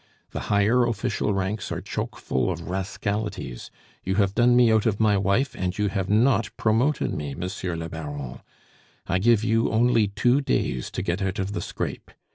The higher official ranks are chokeful of rascalities. You have done me out of my wife, and you have not promoted me, Monsieur le Baron; I give you only two days to get out of the scrape.